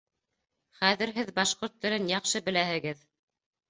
Хәҙер һеҙ башҡорт телен яҡшы беләһегеҙ.